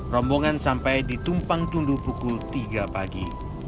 rombongan sampai di tumpang tundu pukul tiga pagi